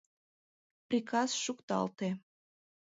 Приказ шукталте.